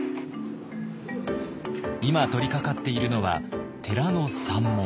今取りかかっているのは寺の山門。